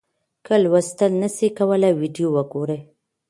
که لوستل نسئ کولای ویډیو وګورئ.